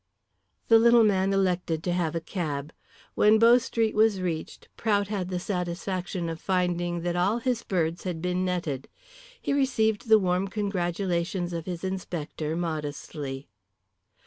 The little man elected to have a cab. When Bow Street was reached Prout had the satisfaction of finding that all his birds had been netted. He received the warm congratulations of his inspector modestly.